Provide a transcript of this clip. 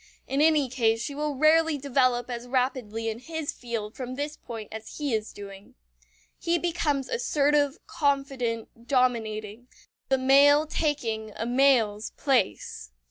In any case she will rarely develop as rapidly in his field from this point as he is doing. He becomes assertive, confident, dominating; the male taking a male's place.